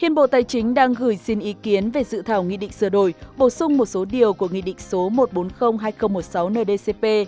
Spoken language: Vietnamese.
hiện bộ tài chính đang gửi xin ý kiến về dự thảo nghị định sửa đổi bổ sung một số điều của nghị định số một triệu bốn trăm linh hai nghìn một mươi sáu nldcp